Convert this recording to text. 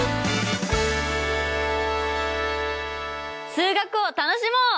数学を楽しもう！